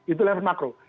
itu lah yang makro